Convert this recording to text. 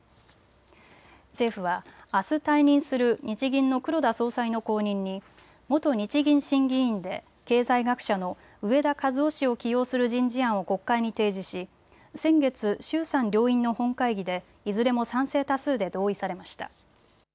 政府はあす退任する日銀の黒田総裁の後任に元日銀審議委員で経済学者の植田和男氏を起用する人事案を国会に提示し先月、衆参両院の本会議でいずれも賛成多数で同意されました。